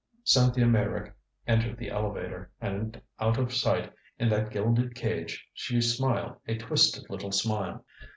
Cynthia Meyrick entered the elevator, and out of sight in that gilded cage she smiled a twisted little smile.